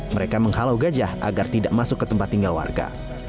mereka menghalau gajah agar tidak masuk ke tempat tinggal warga